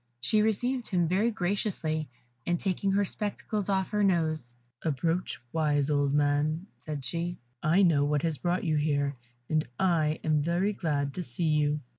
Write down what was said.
She received him very graciously, and taking her spectacles from off her nose, "Approach, wise old man," said she. "I know what has brought you here, and I am very glad to see you."